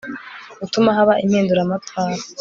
gutuma haba impinduramatwara